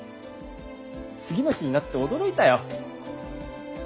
次の日になって驚いたよ。